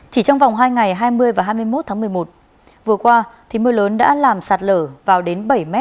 chỉ trong vòng hai ngày hai mươi và hai mươi một tháng một mươi một vừa qua mưa lớn đã làm sạt lở vào đến bảy m